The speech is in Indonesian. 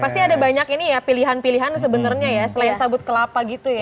pasti ada banyak ini ya pilihan pilihan sebenarnya ya selain sabut kelapa gitu ya